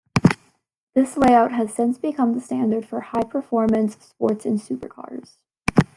This layout has since become the standard for high-performance sports and supercars.